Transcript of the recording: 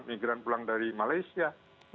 imigran pulang dari malaysia